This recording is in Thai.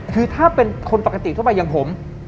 คือถ้าเป็นคนปกติทั่วไปอย่างผม